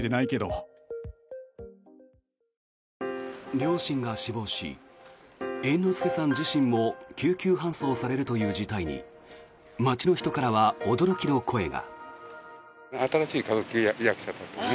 両親が死亡し猿之助さん自身も救急搬送されるという事態に街の人からは驚きの声が。